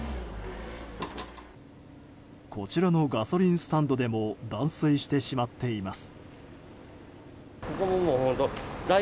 こちらのガソリンスタンドでも断水してしまっています。